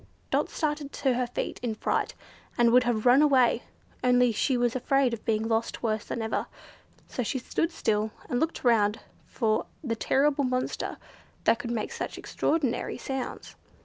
Dot started to her feet in fright, and would have run away, only she was afraid of being lost worse than ever, so she stood still and looked round for the terrible monster that could make such extraordinary sounds.